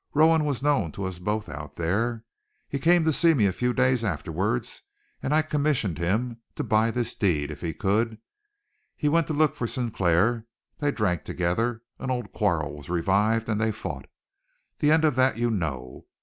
Rowan was known to both of us out there. He came to see me a few days afterwards, and I commissioned him to buy this deed, if he could. He went to look for Sinclair, they drank together, an old quarrel was revived, and they fought. The end of that you know.